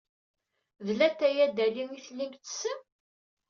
D latay adali i tellim tsessem?